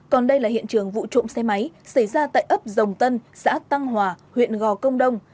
còn đây là hiện trường vụ trộm xe máy xảy ra tại ấp dòng tân xã tăng hòa huyện gò công đông